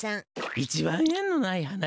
いちばんえんのない話？